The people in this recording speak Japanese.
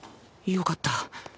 よかった。